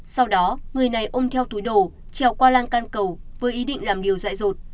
sau đó người này ôm theo túi đổ trèo qua lang can cầu với ý định làm điều dại dột